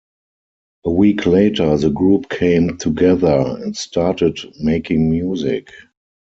A week later, the group came together and started making music.